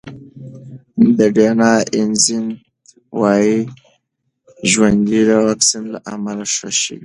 ډیانا اینز وايي ژوند یې د واکسین له امله ښه شوی.